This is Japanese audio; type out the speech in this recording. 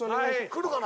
来るかな？